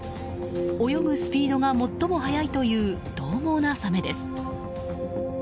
泳ぐスピードが最も速いという獰猛なサメです。